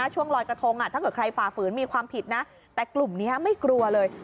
ช่วงลอยกระทงถ้าเกิดใครฝ่าฝืนมีความผิดนะแต่กลุ่มนี้ไม่กลัวเลย